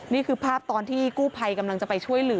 นี่คือภาพตอนที่กู้ภัยกำลังจะไปช่วยเหลือ